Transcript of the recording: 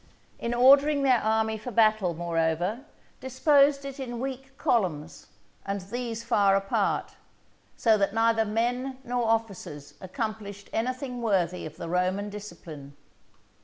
In ordering their army for battle, moreover, disposed it in weak columns, and these far apart: so that neither men nor officers accomplished anything worthy of the Roman discipline.